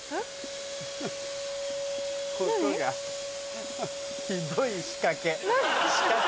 音がひどい仕掛け。